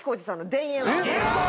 「田園」！？